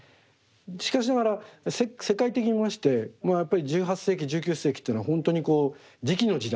しかしながら世界的に見ましてやっぱり１８世紀１９世紀っていうのは本当に磁器の時代。